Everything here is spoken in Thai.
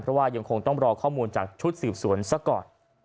เพราะว่ายังคงต้องรอข้อมูลจากชุดสืบสวนซะก่อน